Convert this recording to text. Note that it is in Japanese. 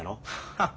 ハッ！